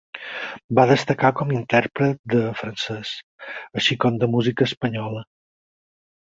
Va destacar com a intèrpret de francès, així com de música espanyola.